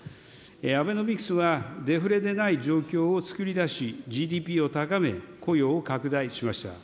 アベノミクスはデフレでない状況を作り出し、ＧＤＰを高め、雇用を拡大しました。